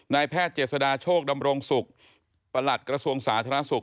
นายแพทย์เจษฎาโชคดำรงศุกร์ประหลัดกระทรวงสาธารณสุข